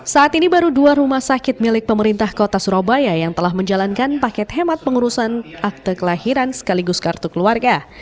saat ini baru dua rumah sakit milik pemerintah kota surabaya yang telah menjalankan paket hemat pengurusan akte kelahiran sekaligus kartu keluarga